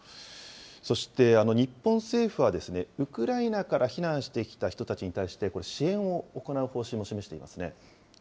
そして日本政府は、ウクライナから避難してきた人たちに対して、これ、支援を行う方針を示していますね。